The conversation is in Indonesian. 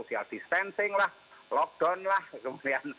social distancing lah lockdown lah kemudian